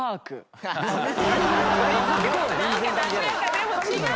でも違う！